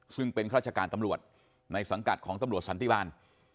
ซึ่งเป็นราชการตำรวจในสังกัดของตำรวจสันติบาล